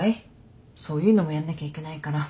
そういうのもやんなきゃいけないから。